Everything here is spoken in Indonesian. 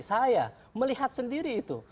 saya melihat sendiri itu